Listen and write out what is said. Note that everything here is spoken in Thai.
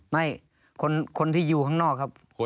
ไม่คนที่อยู่ข้างนอกครับ